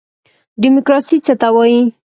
دیموکراسي څه ته وایي؟